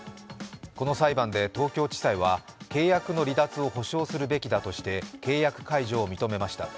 この裁判で東京地裁は契約の離脱を保障するべきだとして契約解除を認めました。